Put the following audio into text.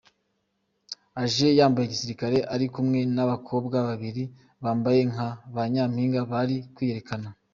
Aje yambaye gisirikare ari kumwe n’abakobwa babiri bambaye nka ba Nyampinga bari kwiyerekana….